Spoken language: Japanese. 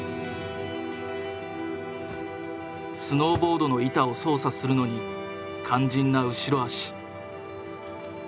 スノーボードの板を操作するのに肝心な後ろ足。